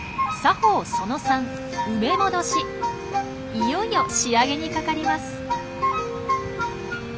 いよいよ仕上げにかかります。